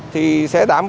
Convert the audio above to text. thì sẽ đảm bảo